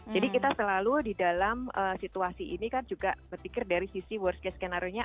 jadi kita selalu di dalam situasi ini kan juga berpikir dari sisi worst case skenario nya